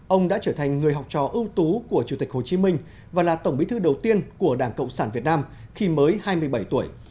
ông đã trở thành người học trò ưu tú của chủ tịch hồ chí minh và là tổng bí thư đầu tiên của đảng cộng sản việt nam khi mới hai mươi bảy tuổi